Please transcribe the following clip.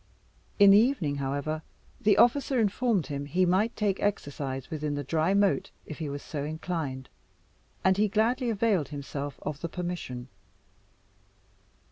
In the evening, however, the officer informed him he might take exercise within the dry moat if he was so inclined, and he gladly availed himself of the permission.